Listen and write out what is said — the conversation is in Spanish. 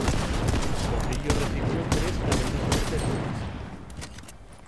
Por ello recibió tres cadenas perpetuas.